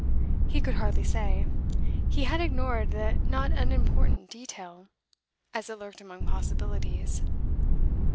He could hardly say; he had ignored the not unimportant detail, as it lurked among possibilities.